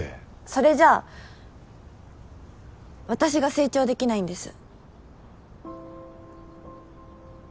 それじゃ私が成長できないんです。